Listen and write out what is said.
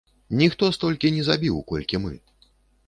Ніхто столькі не забіў, колькі мы.